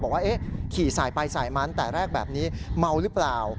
บอกว่าขี่สายไปสายมันแต่แรกแบบนี้เมาหรือเปล่า